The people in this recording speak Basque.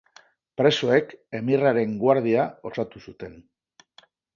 Presoek emirraren guardia osatu zuten.